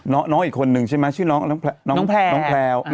น้องอีกคนนึงใช่ไหมชื่อน้องแพรว